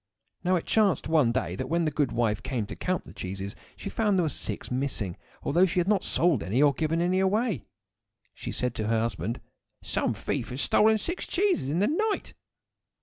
Now it chanced one day that when the good wife came to count the cheeses she found that there were six missing, although she had not sold any or given them away. So she said to her husband,— "Some thief has stolen six cheeses in the night."